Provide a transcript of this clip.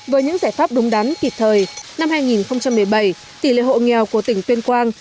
với những giải pháp đúng đắn kịp thời năm hai nghìn một mươi bảy tỷ lệ hộ nghèo của tỉnh tuyên quang